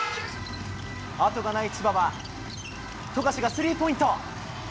後がない千葉は、富樫がスリーポイント。